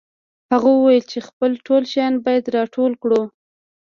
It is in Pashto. هغه وویل چې خپل ټول شیان باید راټول کړو